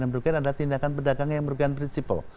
yang merugikan adalah tindakan pedagang yang merugikan prinsipal